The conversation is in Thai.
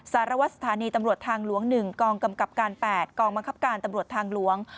สารวัตรสถานีตำรวจทางหลวง๑กองกำกับการ๘กองบังคับการตำรวจทางหลวง